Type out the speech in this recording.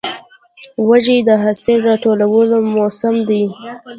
وږی د حاصل راټولو موسم دی.